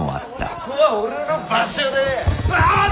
ここは俺の場所だ！